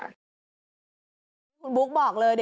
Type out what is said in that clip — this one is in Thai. คุณบุ๊คบอกเลยดิ